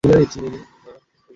না, তো!